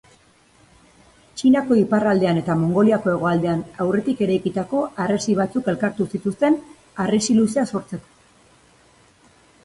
Txinako iparraldean eta Mongoliako hegoaldean aurretik eraikitako harresi batzuk elkartu zituzten harresi luzea sortzeko.